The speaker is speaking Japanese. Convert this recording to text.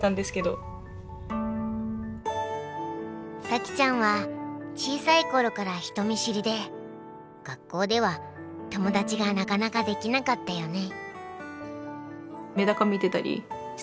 咲ちゃんは小さい頃から人見知りで学校では友達がなかなかできなかったよね。